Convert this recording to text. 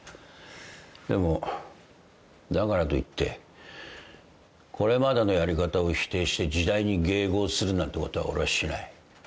でもだからといってこれまでのやり方を否定して時代に迎合するなんてことは俺はしない。